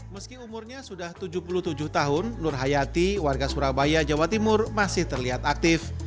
meski umurnya sudah tujuh puluh tujuh tahun nur hayati warga surabaya jawa timur masih terlihat aktif